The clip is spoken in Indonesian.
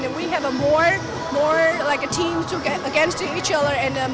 dan menangkan kemampuan dengan sangat berusaha